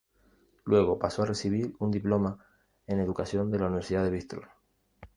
Luego pasó a recibir un Diploma en Educación de la Universidad de Brístol.